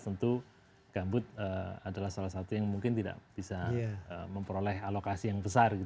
tentu gambut adalah salah satu yang mungkin tidak bisa memperoleh alokasi yang besar